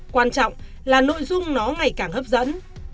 quan trọng là nội dung nó ngày càng hấp dẫn